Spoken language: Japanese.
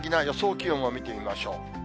気温を見てみましょう。